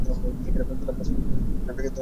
প্রত্যেক স্টুডেন্ট কে এক মিনিট করে সময় দেওয়া হবে।